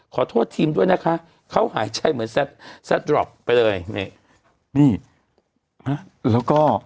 ขอโทษทีมด้วยนะคะเขาหายใจเหมือนแซดรอปไปเลยนี่นี่ฮะแล้วก็